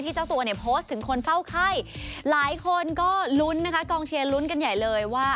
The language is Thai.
เจ้าตัวเนี่ยโพสต์ถึงคนเฝ้าไข้หลายคนก็ลุ้นนะคะกองเชียร์ลุ้นกันใหญ่เลยว่า